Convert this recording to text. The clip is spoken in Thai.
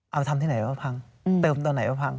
เอาทำที่ไหนแล้วพังเติมตอนไหนแล้วพัง